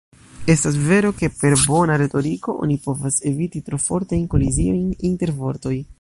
Estas vero, ke per bona retoriko oni povas eviti tro fortajn koliziojn inter vortoj.